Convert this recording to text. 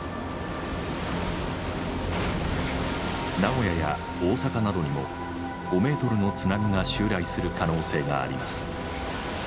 名古屋や大阪などにも５ｍの津波が襲来する可能性があります。